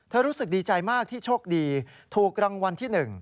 รู้สึกดีใจมากที่โชคดีถูกรางวัลที่๑